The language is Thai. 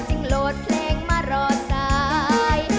จึงโหลดเพลงมารอดสาย